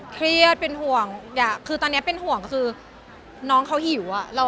เครียดเป็นห่วงอยากคือตอนนี้เป็นห่วงก็คือน้องเขาหิวอะ